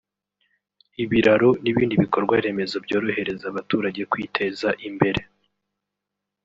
ibiraro n’ibindi bikorwa remezo byorohereza abaturage kwiteza imbere